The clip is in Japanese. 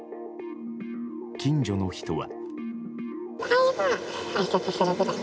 近所の人は。